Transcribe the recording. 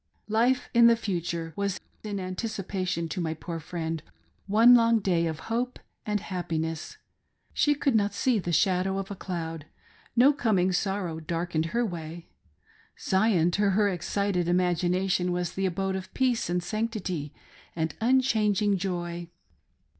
Life in the future was in anticipation to my poor friend one long day of hope and happiness. She could not see the shadow of a cloud — no coming sorrow darkened her way. Zion, to her excited imagination, was the abode of peace, and sanctity, and unchanging joy.